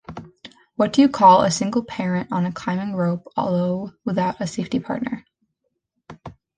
What do you call a single parent on a climbing rope, although without a safety partner?